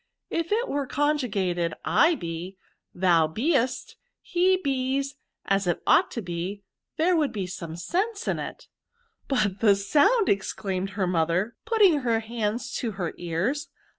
If it were conjugated I be, thou beest, he bees, as it ought to be, there would be some sense in it/' *' But the sound !*' exclaimed her mother, putting her handEi to her ears.